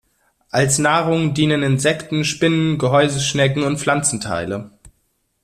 Als Nahrung dienen Insekten, Spinnen, Gehäuseschnecken und Pflanzenteile.